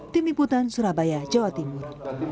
tim liputan surabaya jawa timur